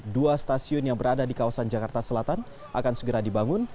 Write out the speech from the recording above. dua stasiun yang berada di kawasan jakarta selatan akan segera dibangun